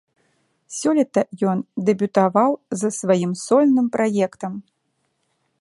Сёлета ён дэбютаваў з сваім сольным праектам.